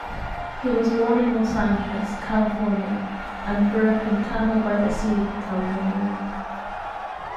He was born in Los Angeles, California, and grew up in Carmel-by-the-Sea, California.